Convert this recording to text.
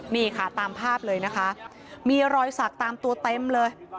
นี่ค่ะตามภาพเลยนะคะมีรอยสักตามตัวเต็มเลย